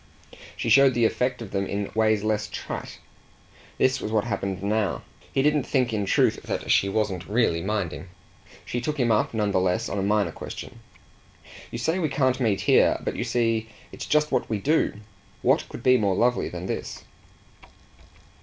She showed the effect of them in ways less trite. This was what happened now: he didn't think in truth that she wasn't really minding. She took him up, none the less, on a minor question. "You say we can't meet here, but you see it's just what we do. What could be more lovely than this?"